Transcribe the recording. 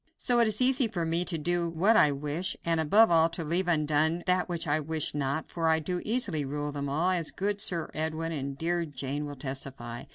So it is easy for me to do what I wish, and above all to leave undone that which I wish not, for I do easily rule them all, as good Sir Edwin and dear Jane will testify.